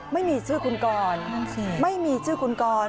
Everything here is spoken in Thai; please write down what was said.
ไม่มีชื่อคุณกรไม่มีชื่อคุณกร